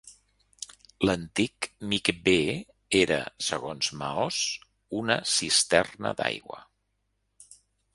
L'antic micvé era, segons Ma'oz', una cisterna d'aigua.